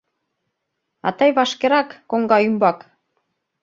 — А тый вашкерак — коҥга ӱмбак!